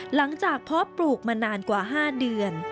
หลังจากเพาะปลูกมานานกว่า๕เดือน